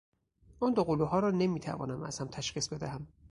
آن دوقلوها را نمیتوانم از هم تشخیص بدهم.